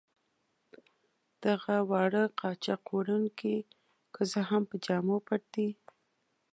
دغه واړه قاچاق وړونکي که څه هم په جامو پټ دي.